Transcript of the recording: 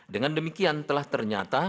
dengan demikian telah ternyata